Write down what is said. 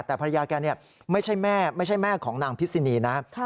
แต่ภรรยาแก่นี่ไม่ใช่แม่ของนางพิศินีนะครับ